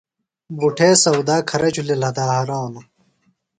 بُٹھے سودا کھرہ جُھلیۡ لھدا ہرانوۡ۔